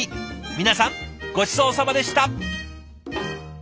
皆さんごちそうさまでした。